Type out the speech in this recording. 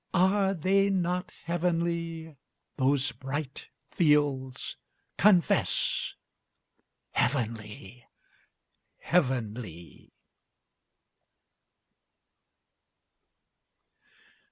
Are they not heavenly those bright fields? Confess!" Heavenly! Heavenly!